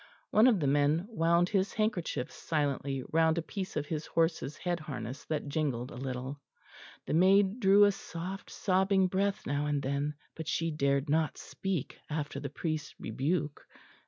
One of the men wound his handkerchief silently round a piece of his horse's head harness that jingled a little. The maid drew a soft sobbing breath now and then, but she dared not speak after the priest's rebuke.